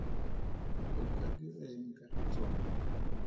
O ka dira eng ka ga tsona?